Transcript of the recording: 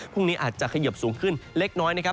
พรุ่งนี้อาจจะเขยิบสูงขึ้นเล็กน้อยนะครับ